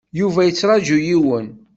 Yuba yettṛaju yiwen.